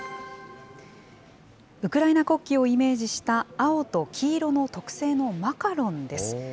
ウクライナ国旗をイメージした青と黄色の特製のマカロンです。